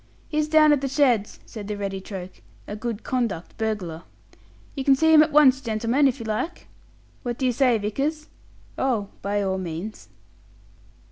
"He's down at the sheds," said the ready Troke "a 'good conduct' burglar. You can see him at once, gentlemen, if you like." "What do you say, Vickers?" "Oh, by all means."